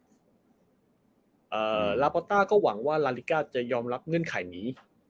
ลาปอต้าก็หวังว่าลาลิกาจะยอมรับเงื่อนไขนี้